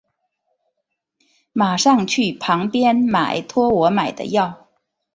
马上去旁边买托我买的药